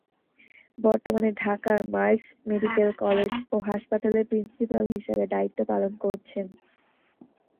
বর্তমানে ঢাকার Marks medical college ও হাসপাতালের প্রিন্সিপাল হিসেবে দায়িত্ব পালন করছেন।